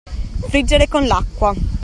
Friggere con l'acqua.